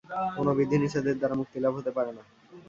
কোন বিধি-নিষেধের দ্বারা মুক্তিলাভ হতে পারে না।